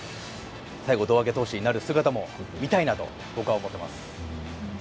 最後、胴上げ投手になる姿も見たいなと思っています。